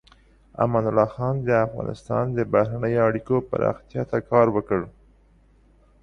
امان الله خان د افغانستان د بهرنیو اړیکو پراختیا ته کار وکړ.